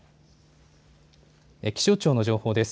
気象庁の情報です。